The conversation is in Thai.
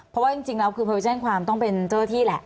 เพราะว่าจริงแล้วคือประวัติแจ้งความต้องเป็นเจ้าที่แหละ